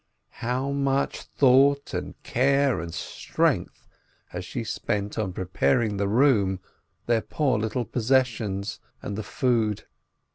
How much thought and care and strength has she spent on preparing the room, their poor little possessions, and the food